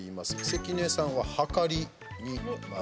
関根さんは、はかりに丸。